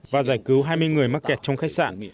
và giải cứu hai mươi người mắc kẹt trong khách sạn